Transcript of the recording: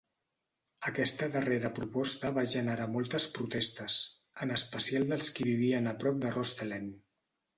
Aquesta darrera proposta va generar moltes protestes, en especial dels qui vivien a prop de Rhostyllen.